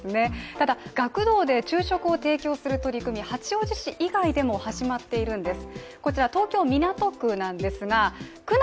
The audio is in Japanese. ただ、学童で昼食を提供する取り組み、八王子市以外でも始まっているんです。